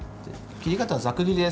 切り方は、ざく切りです。